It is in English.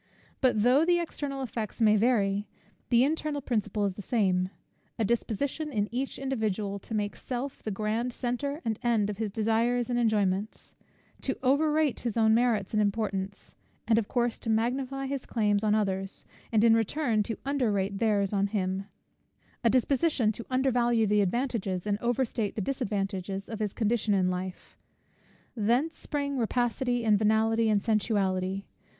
But though the external effects may vary, the internal principle is the same; a disposition in each individual to make self the grand center and end of his desires and enjoyments; to over rate his own merits and importance, and of course to magnify his claims on others, and in return to under rate their's on him; a disposition to undervalue the advantages, and over state the disadvantages, of his condition in life. Thence spring rapacity and venality, and sensuality.